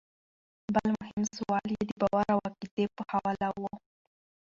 بل مهم سوال ئې د باور او عقيدې پۀ حواله وۀ